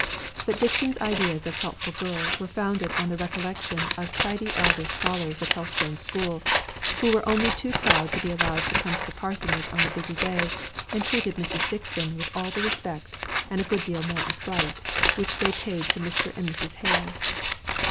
But Dixon's ideas of helpful girls were founded on the recollection of tidy elder scholars at Helstone school, who were only too proud to be allowed to come to the parsonage on a busy day, and treated Mrs. Dixon with all the respect, and a good deal more of fright, which they paid to Mr. and Mrs. Hale.